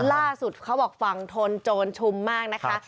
เขาบอกฝั่งทนโจรชุมมากนะคะ